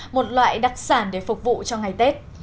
một loại đặc sản để phục vụ cho ngày tết